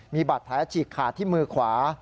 มีบาดแผลฉีกขาดที่มือขวา